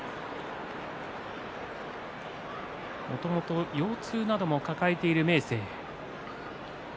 もともと腰痛なども抱えている明生。